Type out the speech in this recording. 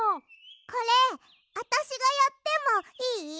これあたしがやってもいい？